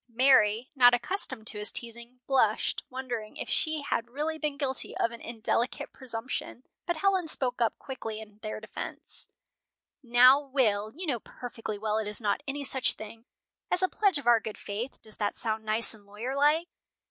Mary, not accustomed to his teasing, blushed, wondering if she had really been guilty of an indelicate presumption, but Helen spoke up quickly in their defense: "Now, Will you know perfectly well it is not any such thing. As a pledge of our good faith does that sound nice and lawyer like?"